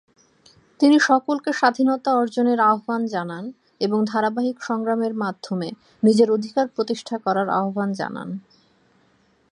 তিনি সকলকে স্বাধীনতা অর্জনের আহ্বান জানান এবং ধারাবাহিক সংগ্রামের মাধ্যমে নিজের অধিকার প্রতিষ্ঠা করার আহ্বান জানান।